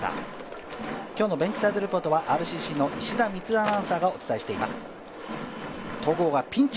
今日のベンチサイドレポートはＲＣＣの石田充アナウンサーが担当しています。